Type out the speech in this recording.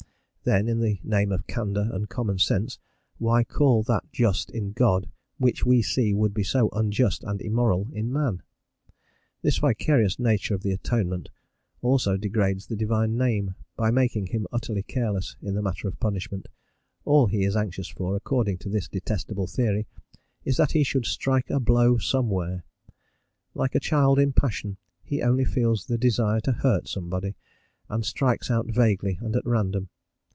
Then, in the name of candour and common sense, why call that just in God which we see would be so unjust and immoral in man? This vicarious nature of the Atonement also degrades the divine name, by making him utterly careless in the matter of punishment: all he is anxious for, according to this detestable theory, is that he should strike a blow somewhere. Like a child in a passion, he only feels the desire to hurt somebody, and strikes out vaguely and at random.